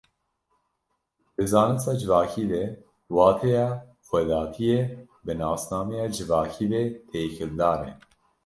Di zanista civakî de wateya xwedatiyê bi nasnameya civakî ve têkildar e.